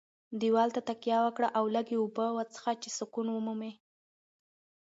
دېوال ته تکیه وکړه او لږې اوبه وڅښه چې سکون ومومې.